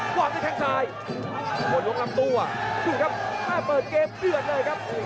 กว้างได้แข่งสายโอ้โหลงลำตัวดูครับมาเปิดเกมเดือดเลยครับ